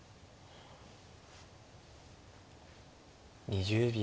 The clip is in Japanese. ２０秒。